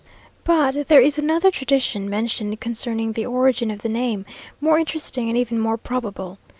But there is another tradition mentioned concerning the origin of the name, more interesting and even more probable.